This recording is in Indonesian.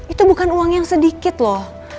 itu bukan uang yang sedikit loh